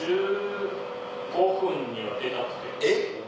えっ。